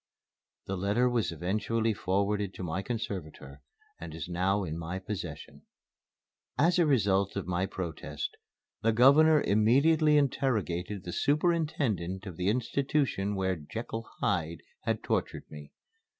The letter was eventually forwarded to my conservator and is now in my possession. As a result of my protest the Governor immediately interrogated the superintendent of the institution where "Jekyll Hyde" had tortured me.